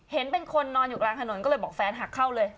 เห็นเป็นคนนอนอยู่กลางถนนก็เลยบอกแฟนหักเข้าเลย